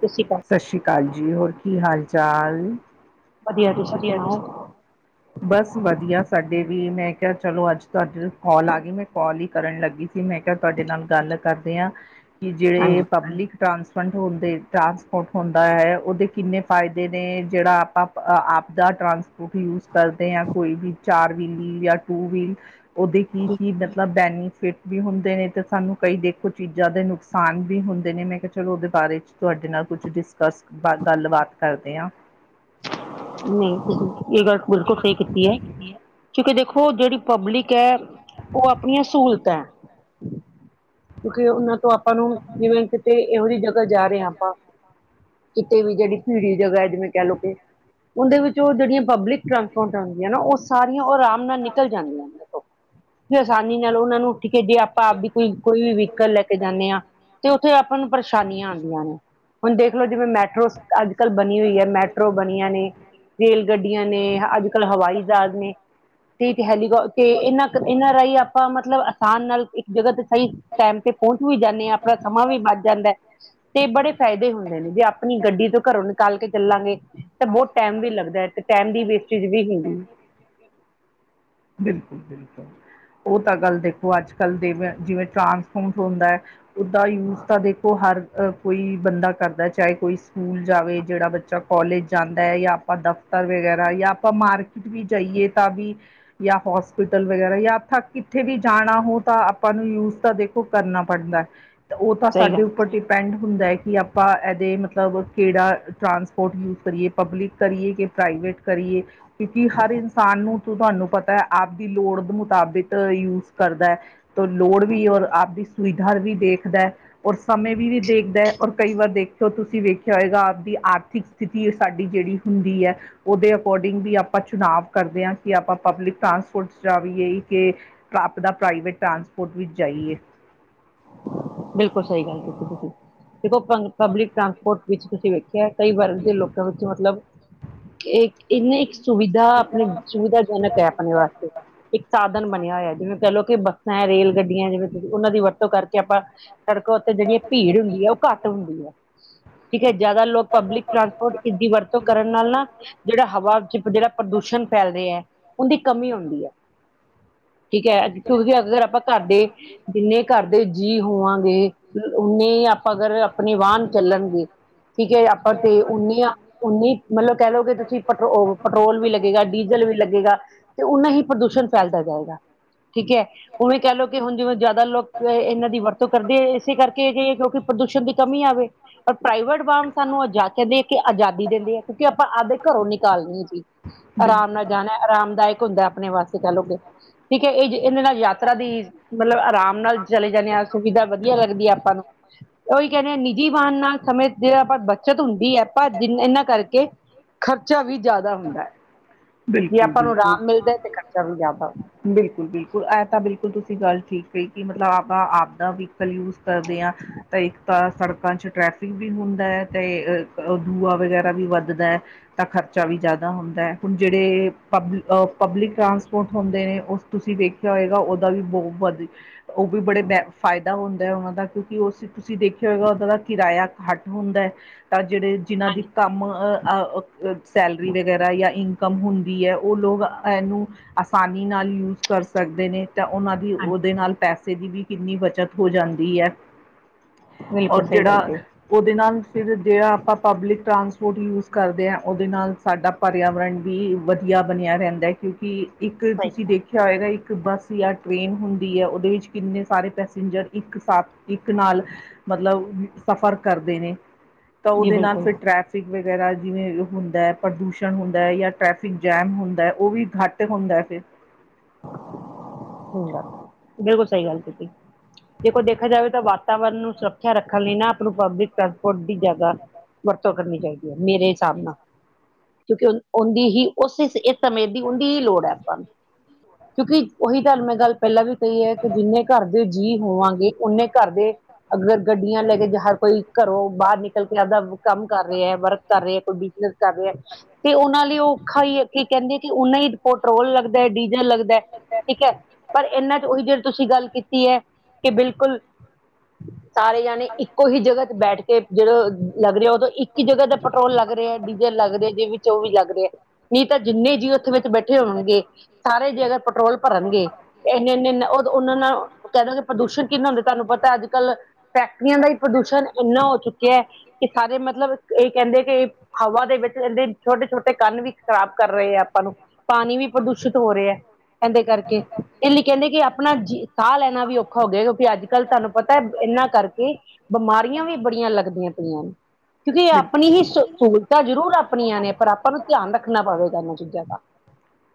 ਸਤਿ ਸ੍ਰੀ ਅਕਾਲ ਸਤਿ ਸ਼੍ਰੀ ਅਕਾਲ ਜੀ ਹੋਰ ਕੀ ਹਾਲ ਚਾਲ ਵਧੀਆ। ਤੁਸੀਂ ਸੁਣਾਓ? ਬਸ ਵਧੀਆ ਸਾਡੇ ਵੀ। ਮੈਂ ਕਿਹਾ ਚਲੋ, ਅੱਜ ਤੁਹਾਡੇ ਕਾਲ ਆ ਗਈ ਮੈਂ ਕਾਲ ਹੀ ਕਰਨ ਲੱਗੀ। ਸੀ ਮੈਂ ਕਿਹਾ ਤੁਹਾਡੇ ਨਾਲ ਗੱਲ ਕਰਦੇ ਹਾਂ ਕਿ ਜਿਹੜੇ ਹਾਂਜੀ ਪਬਲਿਕ ਟਰਾਂਸਫੰਟ ਹੁੰਦੇ ਟਰਾਂਸਪੋਰਟ ਹੁੰਦਾ ਹੈ। ਉਹਦੇ ਕਿੰਨੇ ਫਾਇਦੇ ਨੇ? ਜਿਹੜਾ ਆਪਾਂ ਆਪਦਾ ਟਰਾਂਸਪੋਰਟ ਯੂਜ ਕਰਦੇ ਹਾਂ ਕੋਈ ਵੀ ਚਾਰ ਵੀਲ ਜਾਂ ਟੂ ਵੀਲ। ਉਹਦੇ ਕੀ-ਕੀ ਮਤਲਬ ਬੈਨੀਫਿਟ ਵੀ ਹੁੰਦੇ ਨੇ ਤੇ ਸਾਨੂੰ ਕਈ ਦੇਖੋ ਚੀਜ਼ਾਂ ਦੇ ਨੁਕਸਾਨ ਕਸਾਨ ਵੀ ਹੁੰਦੇ ਨੇ। ਮੈਂ ਕਿਹਾ ਚਲੋ, ਉਹਦੇ ਬਾਰੇ 'ਚ ਤੁਹਾਡੇ ਨਾਲ ਕੁਛ ਡਿਸਕਸ ਬਾ ਗੱਲਬਾਤ ਕਰਦੇ ਆ। ਨਹੀਂ ਇਹ ਗੱਲ ਬਿਲਕੁਲ ਸਹੀ ਕੀਤੀ ਏ। ਕਿਉਂਕਿ ਦੇਖੋ ਜਿਹੜੀ ਪਬਲਿਕ ਏ। ਉਹ ਆਪਣੀਆਂ ਸਹੂਲਤਾਂ। ਕਿਉਕਿ ਉਹਨਾਂ ਤੋਂ ਆਪਾਂ ਨੂੰ ਜਿਵੇਂ ਕਿਤੇ ਇਹੋ ਜਿਹੀ ਜਗ੍ਹਾ ਜਾ ਰਹੇ ਹਾਂ ਆਪਾਂ। ਕਿਤੇ ਵੀ ਜਿਹੜੀ ਭੀੜੀ ਜਗ੍ਹਾ ਏ। ਜਿਵੇਂ ਕਹਿ ਲਓ ਕਿ, ਉਦੇ ਵਿੱਚ ਉਹ ਜਿਹੜੀਆਂ ਪਬਲਿਕ ਟਰਾਂਸਪੋਰਟ ਆਦੀਆਂ ਨਾ ਉਹ ਸ ਸਾਰੀਆਂ ਉਹ ਆਰਾਮ ਨਾਲ ਨਿਕਲ ਜਾਨੀ ਆ ਦੇਖੋ ਫਿਰ ਆਸਾਨੀ ਨਾਲ ਉਹਨਾਂ ਨੂੰ ਠੀਕ ਏ। ਜੇ ਆਪਾਂ ਆਪਦੀ ਕੋਈ ਕੋਈ ਵੀ ਵਹੀਕਲ ਲੈ ਕੇ ਜਾਂਦੇ ਹਾਂ ਤੇ ਉੱਥੇ ਆਪਾਂ ਨੂੰ ਪਰੇਸ਼ਾਨੀਆਂ ਆਦੀਆਂ ਨੇ। ਹੁਣ ਦੇਖ ਲਓ, ਜਿਵੇਂ ਮੈਟਰੋ ਅੱਜ-ਕੱਲ੍ਹ ਬਣੀ ਹੋਈ ਹੈ ਮੈਟਰੋ ਬਣੀਆਂ ਨੇ। ਰੇਲ-ਗੱਡੀਆਂ ਨੇ, ਅੱਜ-ਕੱਲ੍ਹ ਹਵਾਈ-ਜਹਾਜ਼ ਨੇ। ਤੇ ਹੈਲੀਕ ਤੇ ਇਹਨਾਂ ਇਹਨਾਂ ਰਾਹੀਂ ਆਪਾਂ ਮਤਲਬ ਆਸਾਨ ਨਾਲ ਇੱਕ ਜਗ੍ਹਾ ਤੇ ਸਹੀ ਟਾਈਮ ਤੇ ਪਹੁੰਚ ਵੀ ਜਾਂਨੇ ਆ ਆਪਣਾ ਸਮਾਂ ਵੀ ਬਚ ਜਾਂਦਾ। ਤੇ ਬੜੇ ਫਾਇਦੇ ਹੁੰਦੇ ਨੇ। ਜੇ ਆਪਣੀ ਗੱਡੀ ਤੋਂ ਘਰੋਂ ਨਿਕਾਲ ਕੇ ਚੱਲਾਂਗੇ ਤਾਂ ਬਹੁਤ ਟਾਈਮ ਵੀ ਲੱਗਦਾ। ਤੇ ਇਕ ਟਾਈਮ ਦੀ ਵੇਸਟੇਜ ਵੀ ਹੁੰਦੀ ਏ। ਬਿਲਕੁਲ ਬਿਲਕੁਲ। ਉਹ ਤਾਂ ਗੱਲ ਦੇਖੋ ਅੱਜ- ਕਲ ਦੇਵੇ ਜਿਵੇਂ ਟਰਾਂਸਫੋਰਟ ਹੁੰਦਾ ਉਹਦਾ ਯੂਜ਼ ਤਾਂ ਦੇਖੋ ਹਰ ਕੋਈ ਬੰਦਾ ਕਰਦਾ ਚਾਹੇ ਕੋਈ ਸਕੂਲ ਜਾਵੇ, ਜਿਹੜਾ ਬੱਚਾ ਕੋਲਜ ਜਾਂਦਾ ਹੈ, ਜਾਂ ਆਪਾਂ ਦਫ਼ ਤਰ ਵਗੈਰਾ ਯਾਂ ਆਪਾਂ ਮਾਰਕੀਟ ਵੀ ਜਾਈਏ ਤਾਂ ਵੀ ਯਾਂ ਹੋਸਪਿਟਲ ਵਗੈਰਾ ਯਾਂ ਥੱਕ ਕਿੱਥੇ ਵੀ ਜਾਣਾ ਹੋ ਤਾਂ ਆਪਾਂ ਨੂੰ ਯੂਜ ਤਾਂ ਦੇਖੋ ਕਰਨਾ ਪੜਦਾ ਤੇ ਓ ਤਾਂ ਸਹੀ ਗੱਲ ਸਾਡੇ ਉੱਪਰ ਟਿ ਡਿਪੈਂਡ ਹੁੰਦਾ ਕੀ ਆਪਾਂ ਐਦੇ ਮਤਲਬ ਕੇੜਾ ਟਰਾਂਸਪੋਰਟ ਯੂਜ ਕਰੀਏ ਪਬਲਿਕ ਕਰੀਏ ਕੇ ਪ੍ਰਾਈਵੇਟ ਕਰੀਏ ਕਿਉਂਕੀ ਹਰ ਇਨਸਾਨ ਨੂੰ ਤੂੰ ਤੁਹਾਨੂੰ ਪਤੈ ਆਪ ਦੀ ਲੋੜ ਦੇ ਮੁਤਾਬਿਕ ਯੂਜ ਕਰਦੈ। ਤੋਂ ਲੋੜ ਵੀ ਔਰ ਆਪ ਦੀ ਸੁਵਿਧਾ ਵੀ ਦੇਖਦਾ ਐ। ਔਰ ਸਮੇਂ ਦੀ ਵੀ ਦੇਖਦਾ ਏ ਔਰ ਕਈ ਵਾਰ ਦੇਖਿਓ ਤੁਸੀਂ ਵੇਖਿਆਂ ਹੋਏਗਾ ਆਪਦੀ ਆਰਥਿਕ ਸਥਿਤੀ ਏ ਸਾਡੀ ਜੇੜੀ ਹੁੰਦੀ ਐ ਓਦੇ ਅਕੋਰਡਿੰਗ ਵੀ ਆਪਾਂ ਚੁਣਾਵ ਕਰਦੇ ਆ ਕੀ ਆਪਾਂ ਪਬਲਿਕ ਟਰਾਂਸਪੋਰਟ ਜਾ [unintelligible] ਕੇ ਆਪਦਾ ਪ੍ਰਾਈਵੇਟ ਟਰਾਂਸਪੋਰਟ ਵਿੱਚ ਜਾਈਏ। ਬਿਲਕੁਲ ਸਈ ਗੱਲ ਕੀਤੀ ਤੁਸੀਂ ਦੇਖੋਂ ਪਬਲਿਕ ਟਰਾਂਸਪੋਰਟ ਵਿੱਚ ਤੁਸੀਂ ਵੇਖਿਐ ਕਈ ਵਰਗ ਦੇ ਲੋਕਾਂ ਵਿੱਚ ਮਤਲਬ ਏ ਏਨੀ ਇੱਕ ਸੁਵਿਧਾ ਆਪਣੀ ਸੁਵਿਧਾਜਨਕ ਐ ਆਪਣੇ ਵਾਸਤੇ। ਇੱਕ ਸਾਧਨ ਬਣਿਆ ਹੋਇਆ ਜਿਵੇਂ ਕੈ ਲੋ ਕਿ ਬ [unintelligible] ਰੇਲ ਗੱਡੀਆਂ ਜਿਵੇਂ ਸੀਂ ਉਨਾਂ ਦੀ ਵਰਤੋਂ ਕਰਕੇ ਆਪਾਂ ਸੜਕਾਂ ਉੱਤੇ ਜੇੜੀ ਆ ਭੀੜ ਹੁੰਦੀ ਐ ਓ ਘੱ ਘੱਟ ਹੁੰਦੀ ਐ ਠੀਕ ਐ ਜਾਦਾ ਲੋਕ ਪਬਲਿਕ ਟਰਾਂਸਪੋਰਟ ਇਸ ਦੀ ਵਰਤੋਂ ਕਰਨ ਨਾਲ਼ ਨਾ ਜੇੜਾ ਹਵਾ ਚ ਜੇੜਾ ਪ੍ਰਦੂਸ਼ਣ ਫੈਲ ਰਿਐ ਉਨਦੀ ਕਮੀ ਹੁੰਦੀ ਐ। ਠੀਕ ਐ ਕਿਉਂਕੀ ਅਗਰ ਆਪਾਂ ਘਰਦੇ ਜਿੰਨੇ ਘਰਦੇ ਜੀਅ ਹੋਵਾਂਗੇ ਉ ਉਨੇ ਆਪਾਂ ਅਗਰ ਆਪਣੇ ਵਾਨ ਚੱਲਣਗੇ ਠੀਕ ਐ ਆਪਾਂ ਤੇ ਉੱਨੀ ਆ ਉੱਨੀ ਮਤਲਬ ਕੈ ਲਓਗੇ ਤੁਸੀਂ ਪੈਟਰੋ ਪੈਟਰੋਲ ਵੀ ਲੱਗੇਗਾ ਡੀਜ਼ਲ ਵੀ ਲੱਗੇਗਾ ਤੇ ਉਨਾਂ ਹੀ ਪ੍ਰਦੂ ਸ਼ਣ ਫੈਲਦਾ ਜਾਏਗਾ ਠੀਕ ਐ ਉਵੇਂ ਕੈ ਲੋ ਕੀ ਹੁਣ ਜਿਵੇਂ ਜਾਦਾ ਲੋਕ ਏਨਾਂ ਦੀ ਵਰ ਕਰਦੇ ਇਸੇ ਕਰਕੇ ਕੇ ਕਿਉਂਕੀ ਪ੍ਰਦੂਸ਼ਣ ਦੀ ਕਮੀ ਆਵੇ ਪਰ ਪ੍ਰਾਈਵੇਟ ਵਾਹਨ ਸਾਨੂੰ ਆ ਜਾ ਕੇ ਆਜ਼ਾਦੀ ਦਿੰਦੇ ਆ ਕਿਉਂਕੀ ਆਪਾਂ ਆਪਦੇ ਘਰੋਂ ਨਿਕਾਲਣੀ ਆ ਚੀਜ਼ ਬਿਲਕੁਲ ਆਰਾਮ ਨਾਲ਼ ਜਾਣਾ ਆਰਾਮਦਾਇਕ ਹੁੰਦਾ ਆਪਣੇ ਵਾਸਤੇ ਕੈ ਲੋ ਕੇ ਠੀਕ ਐ ਏ ਇਦੇ ਯਾਤਰਾ ਦੀ ਮਤਲਬ ਅਰਾਮ ਨਾਲ਼ ਚਲੇ ਜਾਂਨੇ ਆ ਸੁਵਿਧਾ ਵਧੀਆਂ ਲੱਗਦੀ ਆਪਾਂ ਨੂੰ। ਓਈ ਕੈਨੇ ਆ ਨਿੱਜੀ ਵਾਹਨ ਨਾਲ ਸਮੇਂ ਜ ਆਪਾਂ ਬੱਚਤ ਹੁੰਦੀ ਐ ਆਪਾਂ ਜੀ ਏਨਾਂ ਕਰਕੇ ਖ਼ਰਚਾ ਵੀ ਜਾਦਾ ਹੁੰਦੈ ਜੇ ਬਿਲਕੁਲ ਆਪਾਂ ਨੂੰ ਰਾਮ ਮਿਲਦਾ ਤੇ ਖ਼ਰਚਾ ਵੀ ਜਾਦਾ ਬਿਲਕੁਲ-ਬਿਲਕੁਲ ਐ ਤਾਂ ਬਿਲਕੁਲ ਤੁਸੀਂ ਗੱਲ ਠੀਕ ਕਹੀ ਕੀ ਮਤਲਬ ਆਪਾਂ ਆਪਦਾ ਵਹੀਕਲ ਯੂਜ ਕਰਦੇ ਆ ਤਾਂ ਇੱਕ ਤਾਂ ਸੜਕਾਂ ਚ ਟ੍ਰੈਫਿਕ ਵੀ ਹੁੰਦੈ ਤੇ ਅ ਦੂਆ ਵਗੈਰਾ ਵੀ ਵੱਧਦਾ ਐ ਤਾਂ ਖ਼ਰਚਾ ਵੀ ਜਾਦਾ ਹੁੰਦੈ ਹੁਣ ਜੇੜੇ ਪਬ ਅ ਪਬਲਿਕ ਟਰਾਂਸਪੋਰਟ ਹੁੰਦੇ ਨੇ ਓਸ ਤੁਸੀਂ ਵੇਖਿਆਂ ਹੋਏਗਾ ਉਦਾ ਵੀ ਬੋ ਵਧ ਓ ਵੀ ਬੜੇ ਬੈ ਫ਼ਾਇਦਾ ਹੁੰਦਾ ਉਨਾਂ ਦਾ ਕਿਉਂਕਿ ਉਸ ਤੁਸੀਂ ਦੇਖਿਆ ਹੋਏਗਾ ਓਦਾਂ ਦਾ ਕਿਰਾਇਆ ਘੱਟ ਹੁੰਦੈ ਤਾਂ ਜੇੜੇ ਜਿਨਾਂ ਦੀ ਕੰਮ ਅ ਆ ਸੈਲਰੀ ਵਗੈਰਾ ਯਾਂ ਇਨਕਮ ਹੁੰਦੀ ਐ ਓ ਲੋਕ ਐਨੂੰ ਆਸਾਨੀ ਨਾਲ਼ ਯੂਜ਼ ਕਰ ਸਕਦੇ ਨੇ ਤਾਂ ਓਨਾਂ ਓਦੇ ਨਾਲ਼ ਪੈਸੇ ਵੀ ਕਿੰਨੀ ਬੱਚਤ ਹੋ ਜਾਂਦੀ ਐ ਬਿਲਕੁਲ ਔਰ ਸਹੀ ਜੇੜਾ ਗੱਲ ਜੀ ਓਦੇ ਨਾਲ਼ ਫ਼ਿਰ ਜੇੜਾ ਆਪਾਂ ਪਬਲਿਕ ਟਰਾਂਸਪੋਰਟ ਯੂਜ ਕਰਦੇ ਆ ਉਦੇ ਨਾਲ਼ ਸਾਡਾ ਪਰਿਆਵਰਨ ਵੀ ਵਧੀਆਂ ਬਣਿਆ ਰੈਂਦਾ ਕਿਉਂਕੀ ਇੱਕ ਸਹੀ ਤੁਸੀਂ ਦੇਖ ਖਿਆ ਹੋਏਗਾ ਇੱਕ ਬੱਸ ਯਾਂ ਟ੍ਰੇਨ ਹੁੰਦੀ ਐ ਉਦੇ ਵਿੱਚ ਕਿੰਨੇ ਸਾਰੇ ਪੈਸੇਂਜਰ ਇੱਕ ਸਾਥ ਇੱਕ ਨਾਲ਼ ਮਤਲਬ ਸਫ਼ਰ ਕਰਦੇ ਨੇ ਤਾਂ ਜੀ ਓਦੇ ਨਾਲ਼ ਬਿਲਕੁਲ ਫ਼ਿਰ ਟ੍ਰੈਫ ਫਿਕ ਵਗੈਰਾ ਜਿਵੇਂ ਹੁੰਦੈ, ਪ੍ਰਦੂਸ਼ਣ ਹੁੰਦਾ ਯਾਂ ਟ੍ਰੈਫਿਕ ਜੈਮ ਹੁੰਦੈ ਓ ਵੀ ਘਟ ਹੁੰਦੈ ਫੇ ਹੁੰਦਾ, ਬਿਲਕੁਲ ਸਹੀ ਗੱਲ ਕੀਤੀ। ਦੇਖੋਂ ਦੇਖਿਆ ਜਾਵੇ ਤਾਂ ਵਾਤਾਵਰਨ ਨੂੰ ਸੁਰੱਖਿਆ ਰੱਖਣ ਲਈ ਨਾ ਆਪ ਨੂੰ ਪਬਲਿਕ ਟਰਾਂਸਪੋਰਟ ਦੀ ਜਗ੍ਹਾ ਵਰਤੋਂ ਕਰਨੀ ਚਾਹੀਦੀ ਹੈ ਮੇਰੇ ਹਿਸਾਬ ਨਾ, ਕਿਉਂਕਿ ਉਨਦੀ ਹੀ ਉਸ ਸਮਯ ਦੀ ਓਨਦੀ ਹੀ ਲੋੜ ਹੈ ਆਪਾਂ ਨੂੰ ਕਿਉਂਕਿ ਉਹੀ ਤੁਹਾਨੂੰ ਮੈਂ ਗੱਲ ਪਹਿਲਾਂ ਵੀ ਕਹੀ ਹੈ ਕਿ ਜਿੰਨੇ ਘਰ ਦੇ ਜੀਅ ਹੋਵਾਂਗੇ ਓਨੇ ਘਰ ਦੇ ਅਗਰ ਗੱਡੀਆਂ ਲੈ ਕੇ, ਹਰ ਕੋਈ ਘਰੋਂ ਬਾਹਰ ਨਿਕਲ਼ ਕੇ ਆਪਦਾ ਕੰਮ ਕਰ ਰਿਹਾ ਵਰਕ ਕਰ ਰਿਹਾ ਕੋਈ ਬਿਜ਼ਨਸ ਕਰ ਰਿਹਾ, ਤੇ ਉਹਨਾਂ ਲਈ ਉਹ ਔਖਾ ਈ ਕੀ ਕਹਿੰਦੇ ਕਿ ਉਹਨਾਂ ਹੀ ਪੈਟਰੋਲ ਲੱਗਦਾ ਐ ਡੀਜ਼ਲ ਲੱਗਦਾ ਐ ਅੱਛਾ। ਪਰ ਇਹਨਾਂ ਚ ਉਹੀ ਜੇ ਤੁਸੀਂ ਗੱਲ ਕੀਤੀ ਹੈ ਕਿ ਬਿਲਕੁਲ ਸਾਰੇ ਜਾਣੇ ਇੱਕੋ ਹੀ ਜਗ੍ਹਾ ਚ ਬੈਠ ਕੇ ਜਦੋਂ ਲੱਗ ਰਿਹਾ ਉਦੋਂ ਇੱਕ ਹੀ ਜਗ੍ਹਾ ਦਾ ਪੈਟਰੋਲ ਲੱਗ ਰਿਹਾ ਡੀਜਲ ਲੱਗ ਰੇਯਾ ਏਦੇ ਵਿੱਚ ਉਹ ਵੀ ਲੱਗ ਰੇਯਾ, ਨਹੀਂ ਤਾਂ ਜਿੰਨੇ ਜੀ ਉੱਥੇ ਵਿੱਚ ਬੈਠੇ ਹੋਣਗੇ ਸਾਰੇ ਜੇ ਅਗਰ ਪੈਟਰੋਲ ਭਰਣਗੇ ਇੰਨੇ - ਇੰਨੇ ਉਹ ਉਹਨਾਂ ਨੂੰ ਕਹਿ ਦੇਣ ਨ ਪ੍ਰਦੂਸ਼ਣ ਕਿੰਨਾ ਹੁੰਦੇ ਤੁਹਾਨੂੰ ਪਤਾ ਅੱਜ - ਕੱਲ੍ਹ ਫੈਕਟਰੀਆਂ ਦਾ ਹੀ ਪ੍ਰਦੂਸ਼ਣ ਇੰਨਾ ਹੋ ਚੁੱਕਿਆ ਹੈ ਕਿ ਸਾਰੇ ਮਤਲਬ ਇਹ ਕਹਿੰਦੇ ਕਿ ਹਵਾ ਦੇ ਵਿੱਚ ਕਿੰਦੇ ਛੋਟੇ - ਛੋਟੇ ਕੰਣ ਵੀ ਖ਼ਰਾਬ ਕਰ ਰਹੇ ਆ ਆਪਾਂ ਨੂੰ ਪਾਣੀ ਵੀ ਪ੍ਰਦੂਸ਼ਣ ਦੂਸ਼ਿਤ ਹੋ ਰਹੇ ਏ ਐਦੇ ਕਰਕੇ, ਇਹ ਲਈ ਕਹਿੰਦੇ ਕਿ ਆਪਣਾ ਸਾਹ ਲੈਣਾ ਵੀ ਔਖਾ ਹੋ ਗਿਆ ਕਿਉਂਕਿ ਅੱਜ - ਕੱਲ੍ਹ ਤੁਹਾਨੂੰ ਪਤਾ ਇਹਨਾਂ ਕਰਕੇ ਬਿਮਾਰੀਆਂ ਵੀ ਬੜੀਆਂ ਲੱਗਦੀਆਂ ਪਈਆਂ ਨੇ ਕਿਉਂਕਿ ਆਪਣੀ ਬਿਲਕੁਲ। ਹੀ ਸ ਸਹੂਲਤਾਂ ਜ਼ਰੂਰ ਆਪਣੀਆਂ ਨੇ, ਪਰ ਆਪਾਂ ਨੂੰ ਧਿਆਨ ਰੱਖਣਾ ਪਵੇਗਾ ਇਹਨਾਂ ਚੀਜ਼ਾਂ ਦਾ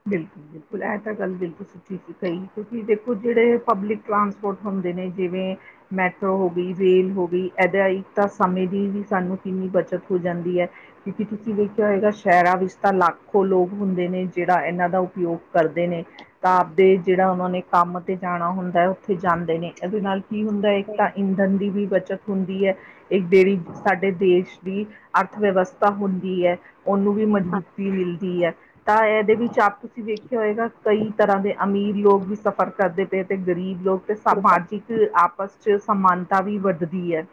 ਬਿਲਕੁਲ - ਬਿਲਕੁਲ ਐ ਤਾਂ ਗੱਲ ਬਿਲਕੁਲ ਸਹੀ ਬਿਲਕੁਲ ਸਹੀ ਕਿਉਂਕਿ ਦੇਖੋ ਜਿਹੜੇ ਪਬਲਿਕ ਟਰਾਂਸਪੋਰਟ ਹੁੰਦੇ ਨੇ ਜਿਵੇਂ ਮੈਟਰੋ ਹੋ ਗਈ ਰੇਲ ਹੋ ਗਈ ਇਹਦੇ ਹੀ ਤਾਂ ਸਮੇਂ ਦੀ ਵੀ ਸਾਨੂੰ ਕਿੰਨੀ ਬੱਚਤ ਹੋ ਜਾਂਦੀ ਹੈ ਕਿਉਂਕਿ ਤੁਸੀਂ ਵੇਖਿਆ ਹੋਏਗਾ ਸ਼ਹਿਰਾਂ ਵਿੱਚ ਤਾਂ ਲਾੱਖੋ ਲੋਕ ਹੁੰਦੇ ਨੇ ਜਿਹੜਾ ਇਹਨਾਂ ਦਾ ਉਪਯੋਗ ਕਰਦੇ ਨੇ ਆਪਦੇ ਜਿਹੜਾ ਉਹਨਾਂ ਨੇ ਕੰਮ ਤੇ ਜਾਣਾ ਹੁੰਦਾ ਉੱਥੇ ਜਾਂਦੇ ਨੇ ਇਹਦੇ ਨਾਲ ਕੀ ਹੁੰ ਤੇ ਇੱਕ ਤਾਂ ਇੰਦਨ ਦੀ ਵੀ ਬੱਚਤ ਹੁੰਦੀ ਹੈ। ਇੱਕ ਜਿਹੜੀ ਸਾਡੇ ਦੇਸ਼ ਦੀ ਅਰਥ ਵਿਵਸਥਾ ਹੁੰਦੀ ਹੈ ਉਹਨੂੰ ਵੀ ਹਾਂ ਮਜ਼ਬੂਤੀ ਮਿਲਦੀ ਹੈ, ਤਾਂ ਇਹਦੇ ਵਿੱਚ ਆਪ ਤੁਸੀਂ ਵੇਖਿਆ ਹੋਏਗਾ ਕਈ ਤਰ੍ਹਾਂ ਦੇ ਅਮੀਰ ਲੋਕ ਵੀ ਸਫ਼ਰ ਕਰਦੇ ਪਏ ਤੇ ਗਰੀਬ ਲੋਕ ਤੇ ਬਿਲਕੁਲ ਸਮਾਜਿਕ ਆਪਸ ਚ ਸਮਾਨ ਤਾਂ ਵੀ ਵੱਧਦੀ ਏ।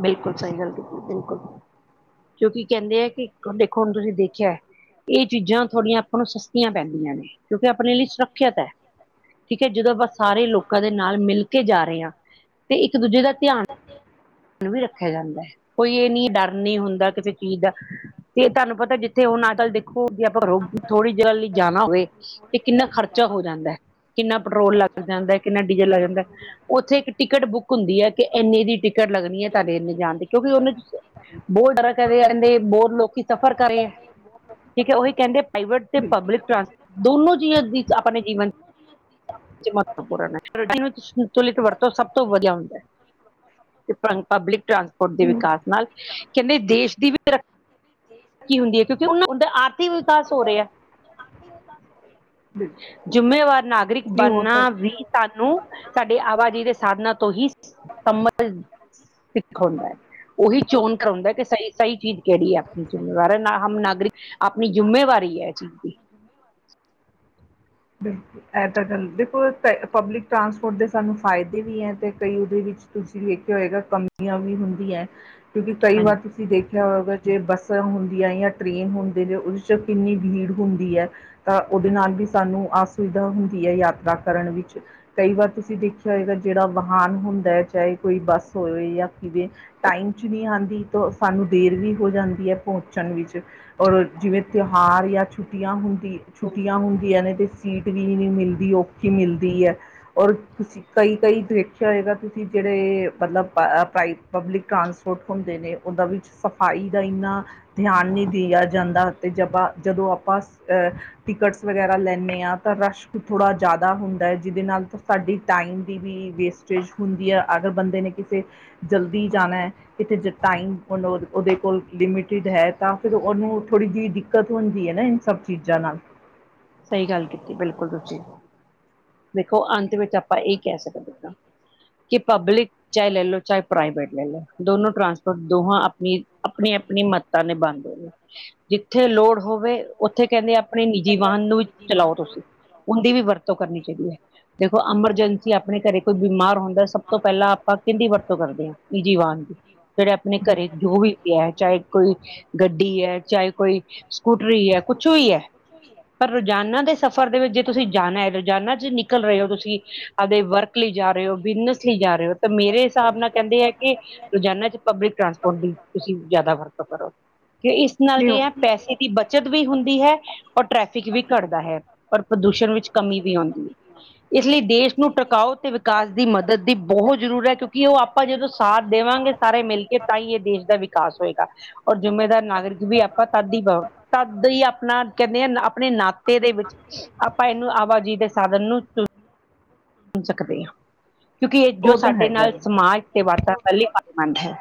ਬਿਲਕੁਲ ਸਹੀ ਗੱਲ ਕੀਤੀ ਬਿਲਕੁਲ - ਕਿਉਂਕਿ ਕਹਿੰਦੇ ਆ ਕਿ ਦੇਖੋ ਹੁਣ ਤੁਸੀਂ ਦੇਖਿਆ ਇਹ ਚੀਜ਼ਾਂ ਥੋੜੀਆਂ ਆਪਾਂ ਨੂੰ ਸਸਤੀਆਂ ਪੈਂਦੀਆਂ ਨੇ ਕਿਉਂਕਿ ਆਪਣੇ ਲਈ ਸੁਰੱਖਿਅਤ ਏ। ਠੀਕ ਹੈ ਜਦੋਂ ਆਪਾਂ ਸਾਰੇ ਲੋਕਾਂ ਦੇ ਨਾਲ ਮਿਲ ਕੇ ਜਾ ਰਹੇ ਹਾਂ ਤੇ ਇੱਕ - ਦੂਜੇ ਦਾ ਧਿਆਨ ਵੀ ਰੱਖਿਆ ਜਾਂਦਾ ਹੈ, ਕੋਈ ਇਹ ਨੀ ਡਰ ਨੀ ਹੁੰਦਾ ਕਿਸੇ ਚੀਜ਼ ਦਾ ਤੇ ਤੁਹਾਨੂੰ ਪਤਾ ਜਿੱਥੇ ਹੁਣ ਆਜ ਕੱਲ ਦੇਖੋ ਜੇ ਆਪਾਂ ਰ ਥੋੜ੍ਹੀ ਦੇਰ ਲਈ ਜਾਣਾ ਹੋਵੇ ਤੇ ਕਿੰਨਾ ਖਰਚਾ ਹੋ ਜਾਂਦਾ ਕਿੰਨਾ ਪੈਟਰੋਲ ਲੱਗ ਜਾਂਦਾ ਕਿੰਨਾ ਡੀਜ਼ਲ ਲੱਗ ਜਾਂਦਾ ਉੱਥੇ ਇੱਕ ਟਿਕਟ ਬੁੱਕ ਹੁੰਦੀ ਹੈ, ਕਿ ਇੰਨੇ ਦੀ ਟਿਕਟ ਲੱਗਣੀ ਹੈ ਤੁਹਾਡੇ ਇੰਨੇ ਜਾਣ ਦੀ ਕਿਉਂਕਿ ਉਹਨੇ ਬਹੁਰ ਡਰ ਕਹਿੰਦੇ ਬਿਲਕੁਲ - ਕਹਿੰਦੇ ਬਹੁਤ ਲੋਕੀ ਸਫ਼ਰ ਕਰੇ ਹੈ ਠੀਕ ਹੈ ਉਹੀ ਕਹਿੰਦੇ ਪ੍ਰਾਈਵੇਟ ਤੇ ਪਬਲਿਕ ਟਰਾਂਸਪੋਰਟ ਦੋਨੋ ਚੀਜ਼ਾਂ ਆਪਣੇ ਜੀਵਨ ਮਹੱਤਵਪੂਰਨ ਹੈ, ਸੰਤੁਲਿਤ ਵਰਤੋਂ ਸਬ ਤੋਂ ਵਧੀਆ ਹੁੰਦਾ ਹੈ ਪਬਲਿਕ ਟਰਾਂਸਪੋਰਟ ਦੇ ਵਿਕਾਸ ਨਾਲ ਕਹਿੰਦੇ ਦੇਸ਼ ਦੀ ਵੀ ਤਰੱਕੀ - ਤਰਕੀ ਹੁੰਦੀ ਹੈ ਕਿਉਂਕਿ ਉਹਨਾਂ ਔਦਾ ਆਰਥਿਕ ਵਿਕਾਸ ਹੋ ਰਿਹਾ ਹੈ ਬਿਲਕੁਲ ਜ਼ਿੰਮੇਵਾਰ ਨਾਗਰਿਕ ਬਣਨਾ ਵੀ ਤੁਹਾਨੂੰ ਸਾਡੇ ਅਵਾਜਾਈ ਦੇ ਸਾਧਨਾਂ ਤੋਂ ਹੀ ਸਿੱਖ ਹਉਦਾ, ਉਹੀ ਚੋਣ ਕਰਾਉਂਦਾ ਕਿ ਸਹੀ ਸਹੀ ਚੀਜ਼ ਕੇੜੀ ਐ ਆਪਣੀ ਜਿੰਮੇਵਾਰ, ਨਾ ਹਮ ਨਾਗਰਾ, ਆਪਣੀ ਜਿੰਮੇਵਾਰੀ ਐ ਏ ਚੀਜ਼ ਦੀ। ਬਿਲਕੁਲ ਐ ਤਾਂ ਗੱਲ, ਦੇਖੋ ਪਬਲਿਕ ਟਰਾਂਸਪੋਰਟ ਦੇ ਸਾਨੂੰ ਫਾਈਦੇ ਵੀ ਐ ਤੇ ਕਈ ਓਂਦੇ ਵੀਚ ਤੁਸੀਂ ਵੇਖੇਆ ਹੋਏਗਾ ਕਮੀਆਂ ਵੀ ਹੁੰਦੀਆਂ ਐ ਕਿਉਂਕੀ ਕਈ ਹਾਂਜੀ ਵਾਰ ਤੁ [unintelligible] ਦੇਖੇਆ ਹੋਵੇਗਾ ਜੇ ਬੱਸਾਂ ਹੁੰਦੀਆਂ ਜਾਂ ਟ੍ਰੇਨ ਹੁੰਦੇ ਨੇ ਓਦੇ ਚ ਕਿੰਨੀ ਬੀੜ ਹੁੰਦੀ ਐ ਤਾਂ ਓਦੇ ਨਾਲ ਵੀ ਸਾਨੂੰ ਅਸੁਵਿਧਾ ਹੁੰਦੀ ਐ ਯਾਤਰਾ ਕਰਨ ਵਿੱਚ ਕਈ ਵਾਰ ਤੁਸੀਂ ਦੇਖੇਆ ਹੋਏਗਾ ਜੇੜਾ ਵਾਹਨ ਹੁੰਦਾ ਐ ਚਾਏ ਕੋਈ ਬੱਸ ਹੋਵੇ ਜਾਂ ਕਿਵੇਂ ਟਾਈਮ ਚ ਨੀ ਆਂਦੀ ਤੋ, ਸਾਨੂੰ ਦੇਰ ਵੀ ਹੋ ਜਾਂਦੀ ਐ ਪਹੁੰਚਣ ਵਿਚ ਔਰ ਜਿਵੇਂ ਤੇਹਾਰ ਜਾਂ ਛੁਟੀਆਂ ਹੁੰਦੀ, ਛੁੱਟੀਆਂ ਹੁੰ ਸੀਟ ਵੀ ਨੀ ਮਿਲਦੀ ਔਖੀ ਮਿਲਦੀ ਆ, ਔਰ ਤੁਸੀਂ ਕਈ-ਕਈ [unintelligible] ਵੇਖੇਆ ਹੋਏਗਾ ਤੁਸੀਂ ਜੇੜੇ, ਮਤਲਬ ਪਬਲਿਕ ਟ੍ਰਾਂਸ ਪੋਟ ਹੁੰਦੇ ਨੇ, ਓਦਾ ਵਿੱਚ ਸਫਾਈ ਦਾ ਈਨਾ ਦੇਆਨ ਨੀ ਦੀਆ ਜਾਂਦਾ ਤੇ ਜਬ ਅ ਜਦੋਂ ਆਪਾਂ ਏ ਟੀਕਟਸ ਵਗੈਰਾ ਲੈਨੇ ਆ ਤਾਂ ਰਸ਼ ਥੋੜਾ ਜਾਦਾ ਹੁੰਦਾ ਐ ਜੀਦੇ ਨਾਲ ਤਾਂ ਸਾਡੀ ਟਾਈਮ ਦੀ ਵੀ, ਵੇਸਟ ਸੇਜ ਹੁੰਦੀ ਐ ਅਗ ਬੰਦੇ ਨੇ ਕਿਸੇ, ਜਲਦੀ ਜਾਣਾ ਐ ਕਿਤੇ ਨਾ ਚ ਟਾਈਮ ਕੋਲੋਂ ਓਦੇ ਕੋਲ ਲਿਮਟਿਡ ਹੈ ਤਾਂ ਫੇਰ ਓਨੂੰ ਥੋੜੀ ਜੀ ਦਿੱਕਤ ਹੁੰਦੀ ਐ ਨਾ ਈ ਸਭ ਚੀਜ਼ਾਂ ਨਾਲ। ਸਈ ਗੱਲ ਕੀਤੀ ਬਿਲਕੁਲ ਤੁਸੀਂ, ਵੇਖੋ ਅੰਤ ਵਿੱਚ ਆਪਾਂ ਏ ਕੈ ਸਕਦੇ ਆਂ ਕੀ ਪਬਲੀ ਚਾਏ ਲੈ ਲੋ ਚਾਏ ਪ੍ਰਾਈਵੇਟ ਲੈ ਲੋ, ਦੋਨੋ ਟਰਾਂਸਪੋਰਟ ਦੋਹਾਂ ਆਪਣੀ, ਆਪਣੀ-ਆਪਣੀ ਮੱਤਾਂ ਨਿਭਾਣਦੇ ਨੇ। ਜਿਥੇ ਲੋੜ ਹੋਵੇ ਓਥੇ ਕੈਂਦੇ ਆਪਣੀ ਵਾਨ ਨੂੰ ਵੀ, ਚਲਾਓ ਤੁਸੀਂ, ਓਨਦੀ ਵੀ ਵਰਤੋਂ ਕਰਨੀ ਚਾਈਦੀ ਐ। ਦੇਖੋ ਐਮਰਜੈਂਸੀ ਆਪਣੇ ਘਰੇ ਕੋਈ ਬੁਮਾਰ ਹੁੰਦਾ ਏ ਸਭ ਤੋਂ ਪੈਲਾਂ ਆਪਾਂ ਕੀਂਦੀ ਵਰਤੋਂ ਕਰਦੇ ਆਂ, ਈਜੀ ਵਾਨ ਦੀ‌। ਜੇੜੇ ਬਿਲ ਘਰੇ ਜੋ ਵੀ ਐ ਚਾਏ ਕੋਈ, ਗੱਡੀ ਐ, ਚਾਏ ਕੋਈ, ਸਕੂਟਰੀ ਐ ਕੁਛ ਵੀ ਐ। [inaudible] ਰੋਜ਼ਾਨਾ ਦੇ ਸਫ਼ਰ ਦੇ ਵੇ ਜੇ ਤੁਸੀਂ ਜਾਣਾ ਏ ਰੋਜ਼ਾਨਾ ਚ ਨਿਕਲ ਰਏ ਓ ਤੁਸੀਂ, ਆਵਦੇ ਵਰ ਕ ਲੀ ਜਾ ਰਏ ਓ ਬਿਜ਼ਨਸ ਲੀ ਜਾ ਰਏ ਓ ਤਾਂ ਮੇਰੇ ਹੀਸਾਬ ਨਾਲ ਕੈਂਦੇ ਆ ਕੀ ਰੋਜ਼ਾਨਾ ਚ ਪਬਲਿਕ ਟਰਾਂਸਪੋਰਟ ਦੀ, ਤੁਸੀਂ, ਜਾਦਾ ਵਰਤੋਂ ਕਰੋ, ਕੀ ਇਸ ਨਾਲ ਕੀ ਆ ਪੈਸੇ ਕੀ ਬੱਚਤ ਵੀ ਹੁੰਦੀ ਹੈ, ਔਰ ਟ੍ਰੈਫਿਕ ਵੀ ਘੱਟਦਾ ਹੈ, ਔਰ ਪ੍ਰਦੂਸ਼ਣ ਵਿੱਚ ਕਮੀ ਵੀ ਆਉਂਦੀ ਹੈ [unintelligible] ਇਸ ਲੀ ਦੇਸ਼ ਨੂੰ ਟ੍ਰਕਾਓ ਤੇ ਵਿਕਾਸ ਦੀ ਮਦਦ ਦੀ ਬਹੋ ਜ਼ਰੂਰ ਐ ਕਿਉਂਕੀ ਓ ਆਪਾਂ ਜਦੋਂ ਸਾਥ ਦੇਵਾਂਗੇ ਸਾਰੇ ਮਿਲ ਕੇ ਤਾਂ ਈ ਏ ਦੇਸ਼ ਦਾ ਵੀ ਕਾਸ ਹੋਏਗਾ, ਔਰ ਜ਼ਿੰਮੇਦਾਰ ਨਾਗਰਿਕ ਵੀ ਆਪਾਂ ਤਦ ਈ ਤਦ ਈ ਆਪਣਾ ਨੀ ਅ ਅਪਨੇ ਨਾਤੇ ਦੇ ਵਿਚ, ਆਪਾਂ ਏਨੂੰ ਆਵਾਜਾਈ ਦੇ ਸਾਦਨ ਨੂੰ [unintelligible] ਸਕਦੇ ਆਂ, ਕਿਉਂਕੀ ਏ ਜੋ ਉਹ ਤਾਂ ਸਾਡੇ ਹੈਗਾ ਨਾਲ ਜੀ। ਸਮਾਜ ਤੇ ਵਾਤਾਵਰਨ ਲੀ ਆਮੰਦ ਹੈ।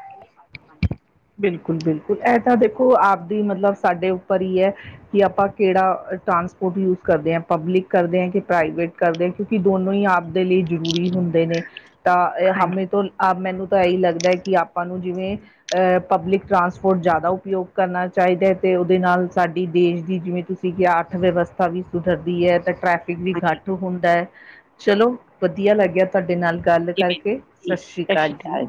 ਬਿਲਕੁਲ-ਬਿਲਕੁਲ ਐ ਤਾਂ ਦੇਖੋ ਆਵਦੀ ਮਤਲਬ ਸਾਡੇ ਉੱਪਰ ਈ ਐ, ਕਿ ਆਪਾਂ ਕੇੜਾ ਟਰਾਂਸਪੋਰਟ ਯੂਸ ਕਰਦੇ ਆਂ ਪਬਲਿਕ ਕਰਦੇ ਆਂ ਕੇ ਪ੍ਰਾਈਵੇਟ ਕਰਦੇ, ਕਿਉਂਕੇ ਦੋਨੋ ਈ ਆਵਦੇ ਲੀ ਜ਼ਰੂਰੀ ਹੁੰਦੇ ਨੇ। ਤਾਂ ਏ ਹਾਂਜੀ ਹਮੇ ਤੋਂ ਮੈਨੂੰ ਤਾਂ ਏਈ ਲੱਗਦਾ ਏ ਕੀ ਆਪਾਂ ਨੂੰ ਜਿਵੇਂ ਏ ਪਬਲਿਕ ਟਰਾਂਸਪੋਰਟ ਜਾਦਾ ਉਪਯੋਗ ਕਰਨਾ ਚਾਈਦਾ ਤੇ ਓਦੇ ਨਾਲ ਸਾਡੀ ਦੇਸ਼ ਦੀ ਜਿਵੇਂ ਤੁਸੀਂ [unintelligible] ਵਿਵਸਥਾ ਵੀ ਸੁਧਰਦੀ ਐ ਤਾਂ ਟ੍ਰੈਫਿਕ ਵੀ ਹਾਂਜੀ ਘੱਟ ਹੁੰਦਾ ਐ। ਚਲੋ, ਵਦੀਆ ਲਾਗੇਆ ਤੁਆਡੇ ਨਾਲ ਗੱਲ ਜਿਵੇਂ ਕਰਕੇ ਜੀ ਸਛੀ ਸਤਿ ਕਾਲ ਸ਼੍ਰੀ ਜੀ। ਅਕਾਲ